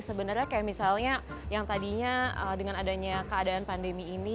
sebenarnya kayak misalnya yang tadinya dengan adanya keadaan pandemi ini